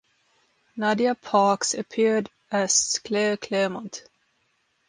Nadia Parkes appeared as Claire Clairmont.